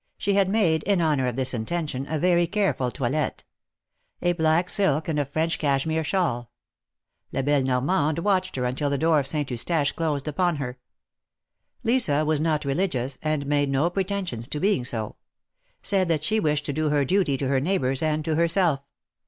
L She had made, in honor of this intention, a very careful toilette — a black silk and a French cashmere shawl. La belle Normande watched her until the door of Saint Eustache closed upon her. Lisa was not religious, and made no pretensions to being so ; said that she wished to do her duty to her neighbors and to herself.